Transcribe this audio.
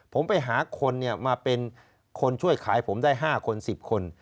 ผมไปหาคนมาเป็นคนช่วยขายผมได้๕คน๑๐คน